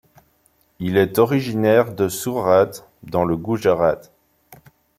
Il est originaire de Surate dans le Gujarat.